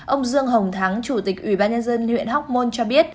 ông dương hồng thắng chủ tịch ủy ban nhân dân huyện hóc môn cho biết